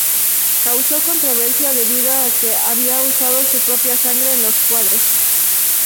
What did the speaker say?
Causó controversia debido a que había usado su propia sangre en los cuadros.